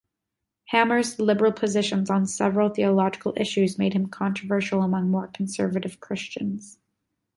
Hammar's liberal positions on several theological issues made him controversial among more conservative Christians.